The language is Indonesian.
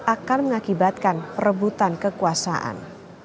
akan mengakibatkan perebutan kekuasaan